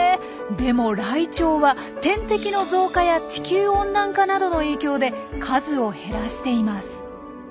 でもライチョウは天敵の増加や地球温暖化などの影響で数を減らしています。